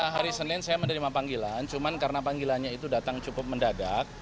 hari senin saya menerima panggilan cuman karena panggilannya itu datang cukup mendadak